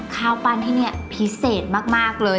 ข้าวปั้นที่นี่พิเศษมากเลย